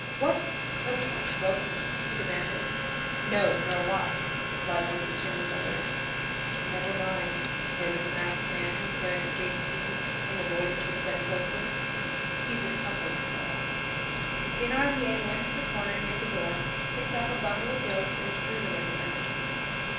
"What! No pocket book?" he demanded. "No, nor watch," replied one of the "chimney builders." "Never mind," murmured the masked man who carried the big key, in the voice of a ventriloquist, "he's a tough old fellow." Thénardier went to the corner near the door, picked up a bundle of ropes and threw them at the men.